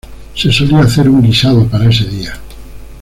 Se solía hacer un guisado para ese día.